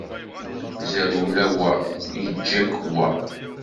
Ẓerwel a wa, iǧǧa-k wa!